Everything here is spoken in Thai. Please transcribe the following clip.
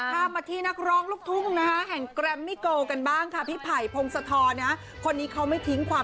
ใครทำนาเลี้ยงวัวนะครับเลี้ยงไขว